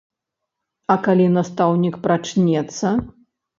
А калі настаўнік прачнецца?